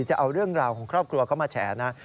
จะเอาเรื่องราวของครอบครัวเขามาแฉนะ